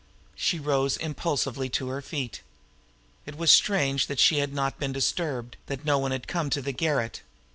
She rose impulsively to her feet. It was strange that she had not been disturbed, that no one had come to the garret!